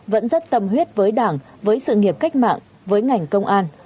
vẫn rất tâm huyết với đảng với sự nghiệp cách mạng với ngành công an